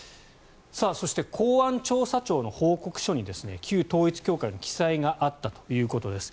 そして、公安調査庁の報告書に旧統一教会の記載があったということです。